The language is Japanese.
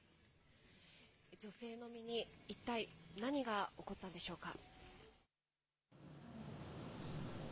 女性の身に一体何が起こったんでしょうか。